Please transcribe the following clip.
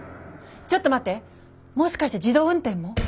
ちょっと待ってもしかして自動運転も？